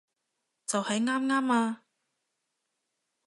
就喺啱啱啊